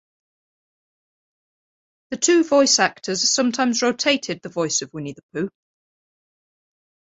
The two voice actors sometimes rotated the voice of Winnie the Pooh.